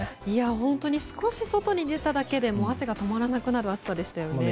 本当に少し外に出ただけでも汗が止まらなくなる暑さでしたよね。